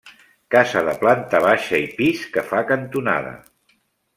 Casa de planta baixa i pis que fa cantonada.